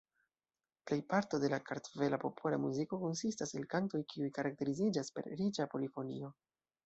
Plejparto de la kartvela popola muziko konsistas el kantoj kiuj karakteriziĝas per riĉa polifonio.